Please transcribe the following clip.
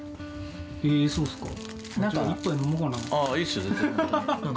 へえ、そうですか。